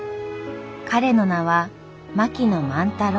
彼の名は槙野万太郎。